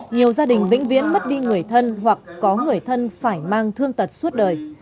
nhiều gia đình vĩnh viễn mất đi người thân hoặc có người thân phải mang thương tật suốt đời